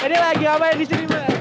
ini lagi apa yang di sini mbak